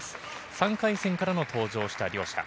３回戦からの登場した両者。